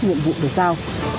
nhiệm vụ được giao